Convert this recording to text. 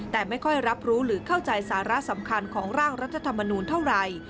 แต่ไม่ค่อยรับรู้หรือเข้าใจสาระสำคัญของร่างรัฐธรรมนูลเท่าไหร่